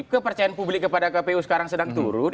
kepercayaan publik kepada kpu sekarang sedang turun